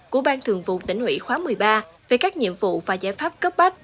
của ban thường vụ tỉnh hủy khóa một mươi ba về các nhiệm vụ và giải pháp cấp bách